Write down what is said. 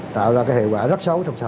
tạo ra hệ quả rất xấu trong xã hội